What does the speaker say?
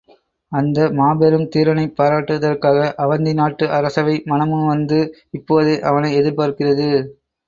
அந்த மாபெரும் தீரனைப் பாராட்டுவதற்காக அவந்தி நாட்டு அரசவை மனமுவந்து இப்போதே அவனை எதிர்பார்க்கிறது.